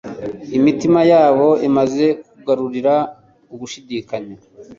Imitima yabo imaze kugururira ugushidikanya,